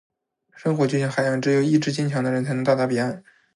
生活就像海洋，只有意志坚强的人，才能到达彼岸。